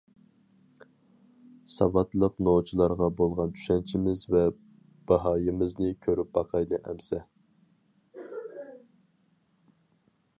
ساۋاتلىق نوچىلارغا بولغان چۈشەنچىمىز ۋە باھايىمىزنى كۆرۈپ باقايلى، ئەمىسە.